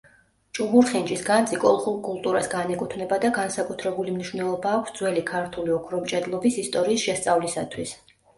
ჭუბურხინჯის განძი კოლხურ კულტურას განეკუთვნება და განსაკუთრებული მნიშვნელობა აქვს ძველი ქართული ოქრომჭედლობის ისტორიის შესწავლისათვის.